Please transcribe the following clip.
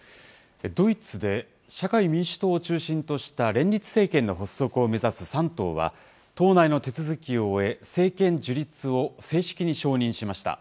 ドイツで社会民主党を中心とした連立政権の発足を目指す３党は、党内の手続きを終え、政権樹立を正式に承認しました。